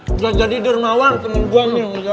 udah jadi dermawan temen gue ambil